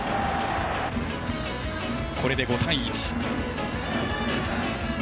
これで５対１。